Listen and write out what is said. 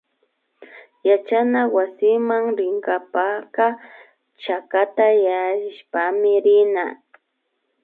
Yachana wasiman rinkapaka chakata yallishpami rina